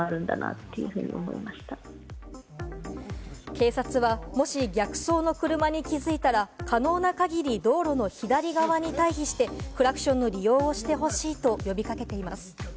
警察はもし逆走の車に気づいたら、可能な限り、道路の左側に退避して、クラクションの利用をしてほしいと呼び掛けています。